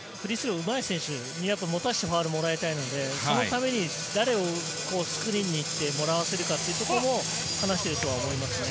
うまい選手に持たせてファウルをもらいたいので、そのために誰をスクリーンに行って、もらわせるかということも話していると思いますね。